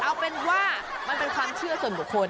เอาเป็นว่ามันเป็นความเชื่อส่วนบุคคล